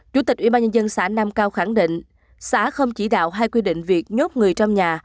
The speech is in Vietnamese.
chủ tịch ủy ban nhân dân xã nam cao khẳng định xã không chỉ đạo hay quy định việc nhốt người trong nhà